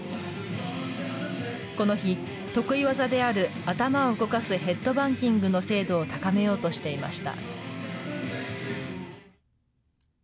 この日、得意技である頭を動かすヘッドバンギングの精度を高めようとしていました。